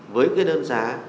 với cái đơn giá